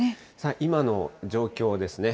今の状況ですね。